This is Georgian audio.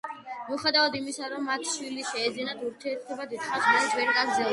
მიუხედავად იმისა, რომ მათ შვილი შეეძინათ, ურთიერთობა დიდხანს მაინც ვერ გაგრძელდა.